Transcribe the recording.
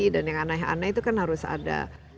dan yang aneh aneh itu kan harus ada